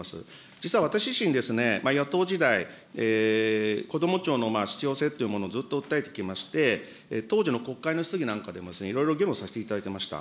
実は私自身、野党時代、こども庁の必要性というものをずっと訴えてきまして、当時の国会の質疑なんかでもいろいろ議論させていただいてました。